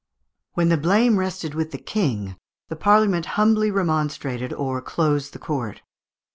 When the blame rested with the King, the Parliament humbly remonstrated or closed the court.